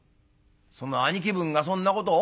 「その兄貴分がそんなことを？